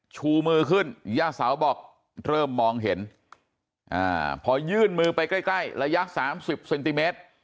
ชูมือขึ้นย่าเสาบอกเริ่มมองเห็นพอยื่นมือไปใกล้ระยะ๓๐เซนติเมตร